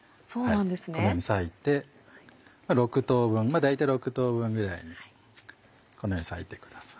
このように割いて大体６等分ぐらいにこのように割いてください。